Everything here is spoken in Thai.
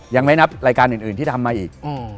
ยังไม่นับรายการอื่นที่ทำมาอีก